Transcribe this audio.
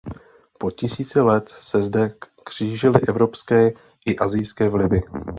Po tisíce let se zde křížily evropské i asijské vlivy.